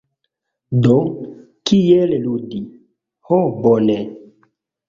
Do. "Kiel ludi". Ho bone.